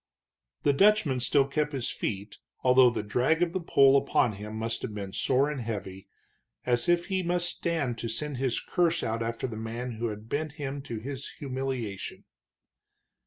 The Dutchman still kept his feet, although the drag of the pole upon him must have been sore and heavy, as if he must stand to send his curse out after the man who had bent him to his humiliation.